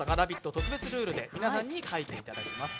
特別ルールで皆さんに書いていただきます。